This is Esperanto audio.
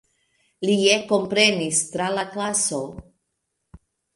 Li ekpromenis tra la klaso.